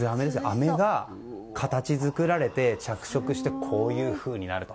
あめが形作られて着色してこういうふうになると。